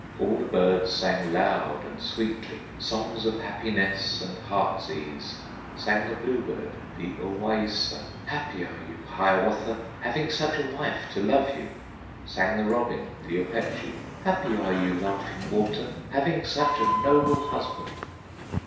All the birds sang loud and sweetly Songs of happiness and heart's ease; Sang the bluebird, the Owaissa, "Happy are you, Hiawatha, Having such a wife to love you!" Sang the robin, the Opechee, "Happy are you, Laughing Water, Having such a noble husband!"